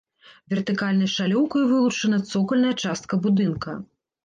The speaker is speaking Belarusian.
Вертыкальнай шалёўкай вылучана цокальная частка будынка.